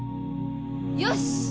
よし！